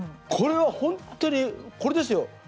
これは本当にこれですよ